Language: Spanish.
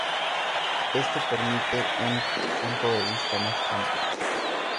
Esto permite un punto de vista más amplio.